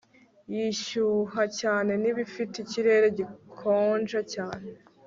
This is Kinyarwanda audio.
gishyuha cyane n ibifite ikirere gikonja cyane